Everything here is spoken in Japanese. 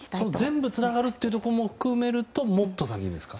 全部つながるというところも含めるともっと先になりますか。